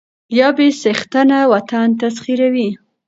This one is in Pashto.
يا بې څښنته وطن تسخيروي